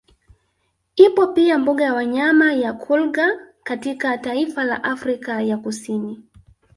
Ipo pia mbuga ya wanyama ya Kluger katika taifa la Afrika ya Kusini